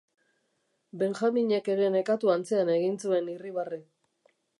Benjaminek ere nekatu antzean egin zuen irribarre.